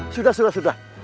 sudah sudah sudah